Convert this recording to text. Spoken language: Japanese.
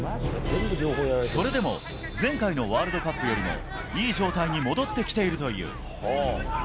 それでも前回のワールドカップよりもいい状態に戻ってきているという。